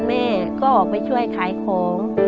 แม่ก็ออกไปช่วยขายของ